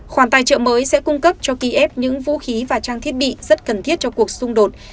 khoản tài trợ mới sẽ cung cấp cho kiev những vũ khí và trang thiết bị rất cần thiết cho cuộc xung đột